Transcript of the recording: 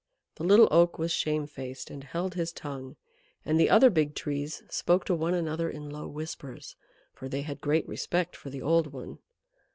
The Little Oak was shamefaced, and held his tongue; and the other big Trees spoke to one another in low whispers, for they had great respect for the old one.